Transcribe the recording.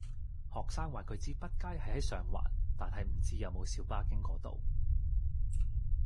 學生話佢知畢街係喺上環，但係唔知有冇小巴經嗰度